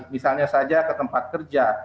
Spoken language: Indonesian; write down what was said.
misalnya saja ke tempat kerja